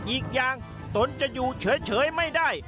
อีกอย่างตนจะอยู่เฉยไม่ได้